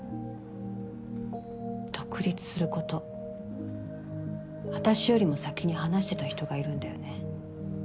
独立すること私よりも先に話してた人がいるんだよね。